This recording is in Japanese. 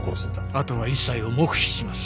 あとは一切を黙秘します。